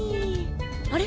あれ？